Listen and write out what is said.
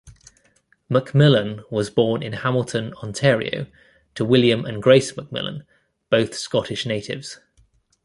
McMillan was born in Hamilton, Ontario to William and Grace McMillan, both Scottish natives.